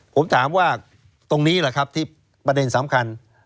ผมถามว่าตรงนี้แหละครับที่ประเด็นสำคัญ